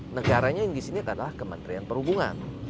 negaranya yang di sini adalah kementerian perhubungan